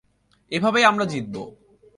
এভাবেই আমরা জিতব।